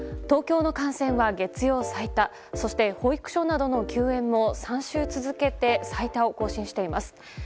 東京の感染は月曜最多、そして保育所などの休園も３週続けて最多を更新しています。